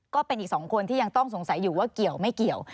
ก็เป็นอีก๒คนที่ยังต้องสงสัยอยู่ว่าเกี่ยวไม่เกี่ยว